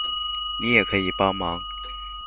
你也可以幫忙